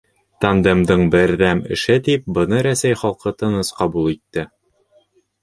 Тандемдың берҙәм эше, тип, быны Рәсәй халҡы тыныс ҡабул итте.